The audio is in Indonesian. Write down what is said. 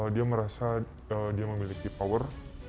dia merasa dia memiliki power